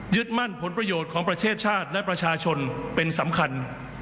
มั่นผลประโยชน์ของประเทศชาติและประชาชนเป็นสำคัญ